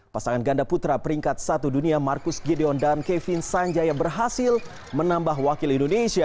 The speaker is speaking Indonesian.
pasangan ganda putra peringkat satu dunia marcus gideon dan kevin sanjaya berhasil menambah wakil indonesia